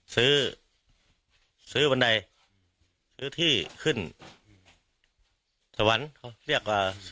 ซื้อบันไดซื้อที่ขึ้นสวรรค์